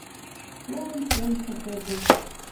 Толын ойхы кого